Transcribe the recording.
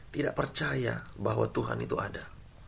tidak percaya bahwa tuhan itu ada